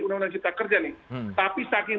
undang undang cipta kerja nih tapi saking